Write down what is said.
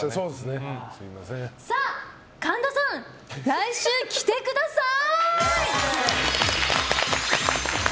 神田さん、来週着てください！